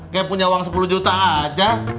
kayak punya uang sepuluh juta aja